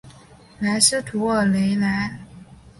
莱斯图尔雷莱。